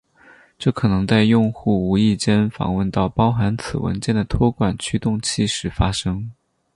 这可能在用户无意间访问到包含此文件的托管驱动器时发生。